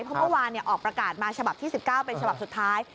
เพราะเมื่อวานออกประกาศมาฉบับที่๑๙เป็นฉบับสุดท้าย